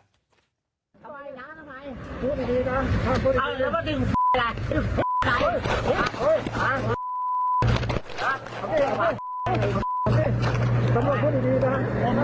เอาไปเอาไป